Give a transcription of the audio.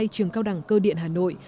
trường cao đẳng cơ điện hà nội